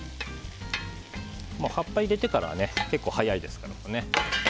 葉っぱを入れてからは結構速いですから。